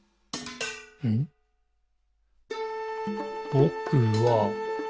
「ぼくは、」